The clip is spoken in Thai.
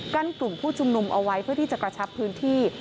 กลุ่มผู้ชุมนุมเอาไว้เพื่อที่จะกระชับพื้นที่